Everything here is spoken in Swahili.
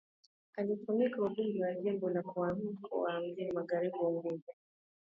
Alitumikia ubunge wa Jimbo la kwahami mkoa wa mjini magharibi Unguja